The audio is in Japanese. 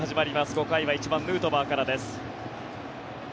５回は１番、ヌートバーからです。